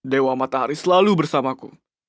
dewa matahari selalu bersamaku